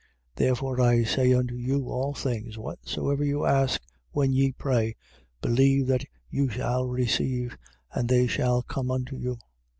11:24. Therefore I say unto you, all things, whatsoever you ask when ye pray, believe that you shall receive: and they shall come unto you.